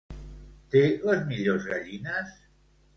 Té les millors gallines?